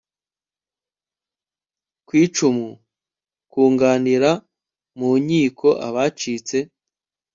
ku icumu kunganira mu nkiko abacitse